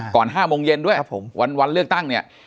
๕โมงเย็นด้วยวันเลือกตั้งเนี่ย